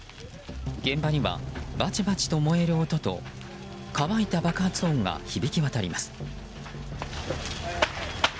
現場にはバチバチと燃える音と乾いた爆発音が響き渡ります。